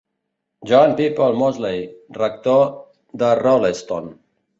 John Peploe Mosley, rector de Rolleston.